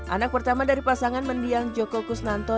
anak pertama dari pasangan mendiang joko kusnanto